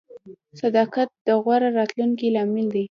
• صداقت د غوره راتلونکي لامل دی.